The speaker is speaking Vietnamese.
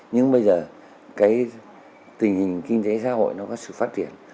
nhưng bây giờ cái tình hình kinh tế xã hội nó có sự phát triển